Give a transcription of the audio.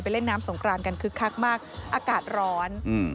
เล่นน้ำสงกรานกันคึกคักมากอากาศร้อนอืม